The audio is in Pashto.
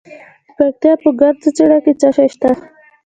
د پکتیا په ګرده څیړۍ کې څه شی شته؟